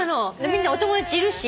みんなお友達いるし。